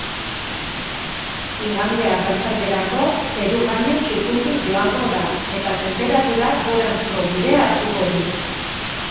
Igande arratsalderako zeru-gaina txukunduz joango da eta tenperaturak goranzko bidea hartuko du.